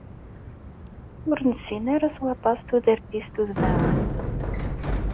Ur nessin ara s waṭas tudert-is tudmawant.